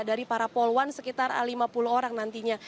dari para poluan sekitar lima puluh orang nantinya